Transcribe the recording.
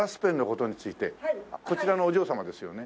こちらのお嬢様ですよね？